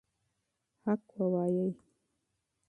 حق ووایئ.